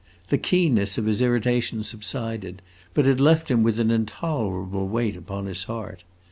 The keenness of his irritation subsided, but it left him with an intolerable weight upon his heart.